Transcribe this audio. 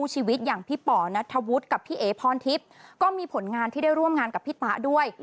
พี่ป๋อณทวุฒิกับพี่เอพรทิพย์ก็มีผลงานที่ได้ร่วมงานกับพี่ป๋าด้วย